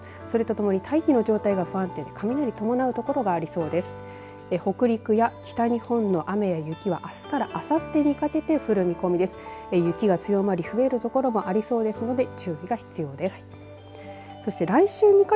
それとともに大気の状態が不安定で雷を伴う所がありそうです。